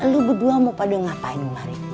lu berdua mau pada ngapain hari ini